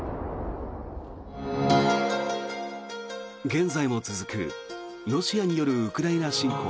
現在も続くロシアによるウクライナ侵攻。